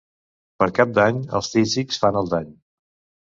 Per Cap d'Any els tísics fan el dany.